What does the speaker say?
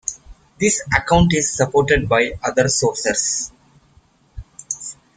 This account is supported by other sources.